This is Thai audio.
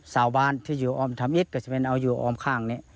ชาวบ้านที่อยู่ออมธมิตรก็จะเป็นเอาอยู่ออมข้างนี้